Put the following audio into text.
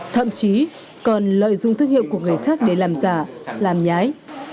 thậm chí còn lợi dụng thương hiệu của người khác để làm giả làm nhái